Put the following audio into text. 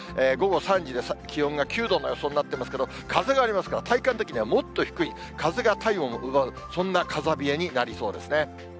午後３時で気温が９度の予想になってますけど、風がありますから、体感的にはもっと低い、風が体温を奪う、そんな風冷えになりそうですね。